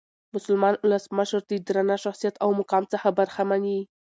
مسلمان اولس مشر د درانه شخصیت او مقام څخه برخمن يي.